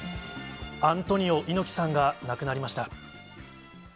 アントニオ猪木さんが亡くなりました。